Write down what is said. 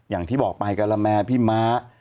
อย่างที่บอกไปกะละแม่พี่ม้า